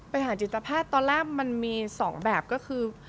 ปัญหาจิตแพทย์ตอนแรกมันมี๒แบบก็คือ